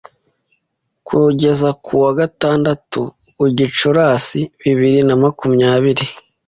kugeza kuwa gatau Gicurasi bibiri na makumyabiri